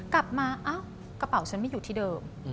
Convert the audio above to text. กลับมาเอ้ากระเป๋าฉันไม่อยู่ที่เดิม